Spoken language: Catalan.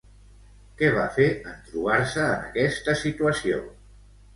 Què va fer en trobar-se en aquesta situació?